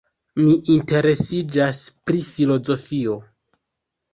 Mi interesiĝas pri filozofio.